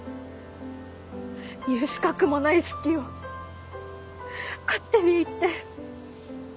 言う資格もない「好き」を勝手に言って。